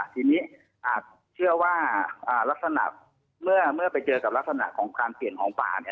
ทีนี้อาจเชื่อว่าลักษณะเมื่อไปเจอกับลักษณะของการเปลี่ยนของป่า